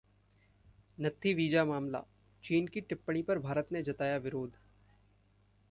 नत्थी visa मामला: चीन की टिप्पणी पर भारत ने जताया विरोध